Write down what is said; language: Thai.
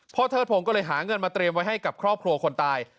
เทิดพงศ์ก็เลยหาเงินมาเตรียมไว้ให้กับครอบครัวคนตาย